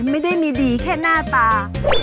ไม่ได้มีดีแค่หน้าตา